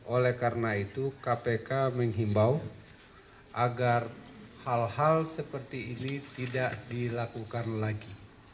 oleh karena itu kpk menghimbau agar hal hal seperti ini tidak dilakukan lagi